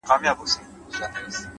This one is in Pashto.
هر منزل د ارادې غوښتنه لري’